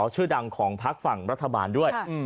ชื่อดังของพักฝั่งรัฐบาลด้วย